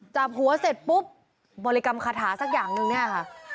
จับหัวเสร็จปุ๊บบริกรรมคาถาสักอย่างหนึ่งเนี่ยค่ะ